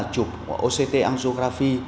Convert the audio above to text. chụp oct angiography